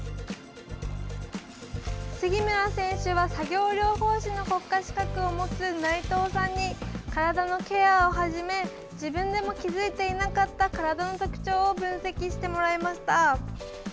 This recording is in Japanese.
杉村選手は、作業療法士の国家資格を持つ内藤さんに体のケアをはじめ自分でも気付いていなかった体の特徴を分析してもらいました。